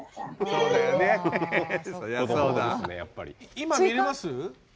今見れます？